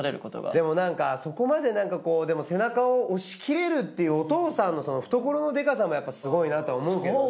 でもなんかそこまで背中を押し切れるっていうお父さんの懐のデカさもすごいなとは思うけどね。